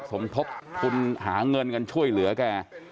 สมทบทุนหาเงินกันช่วยเหลือแก